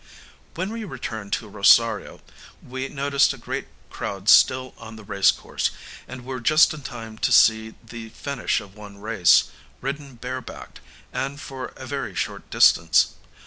When we returned to Rosario we noticed a great crowd still on the race course, and were just in time to see the finish of one race, ridden barebacked, and for a very short distance.